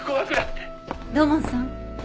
土門さん。